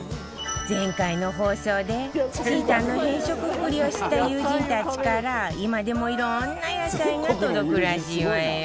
前回の放送でちーたんの偏食ぶりを知った友人たちから今でも色んな野菜が届くらしいわよ